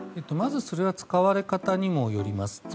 まず、それは使われ方にもよります。